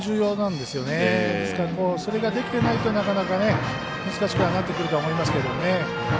ですから、それができてないとなかなか難しくはなってくると思いますけどね。